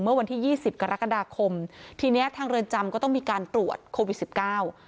เมื่อวันที่ยี่สิบกรกฎาคมทีเนี้ยทางเรือนจำก็ต้องมีการตรวจโควิดสิบเก้า